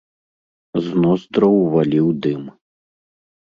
З ноздраў валіў дым.